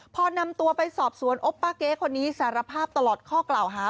พอนำตัวไปสอบสวนโอปป้าเก๊คนนี้สารภาพตลอดข้อกล่าวหา